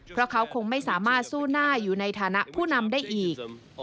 เพราะเขาคงไม่สามารถสู้หน้าอยู่ในฐานะผู้นำได้อีก